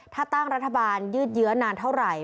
ถ้าตั้งรัฐบาลยืดเยื้อนานเท่าไหร่